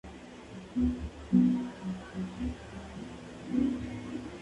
Su hijo Mathias Tantau jun.